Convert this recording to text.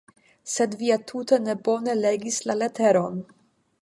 Sed vi ja tute ne bone legis la leteron!